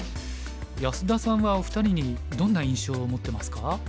安田さんはお二人にどんな印象を持ってますか？